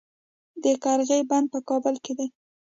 د قرغې بند په کابل کې دی